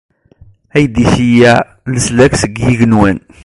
Ad iyi-d-iceyyeɛ leslak seg yigenwan.